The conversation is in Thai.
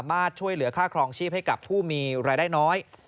ช่วยเหลือค่าครองชีพให้กับผู้มีรายได้น้อย